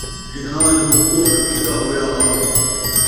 جِنہاں جو کُفر کِیتا ہویا ہا،